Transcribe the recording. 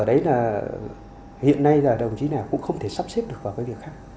ở đấy hiện nay đồng chí nẻo cũng không thể sắp xếp được vào việc khác